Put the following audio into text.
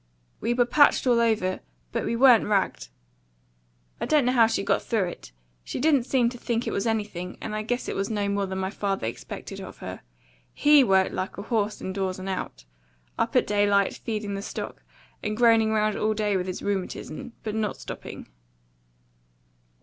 "We were patched all over; but we wa'n't ragged. I don't know how she got through it. She didn't seem to think it was anything; and I guess it was no more than my father expected of her. HE worked like a horse in doors and out up at daylight, feeding the stock, and groaning round all day with his rheumatism, but not stopping."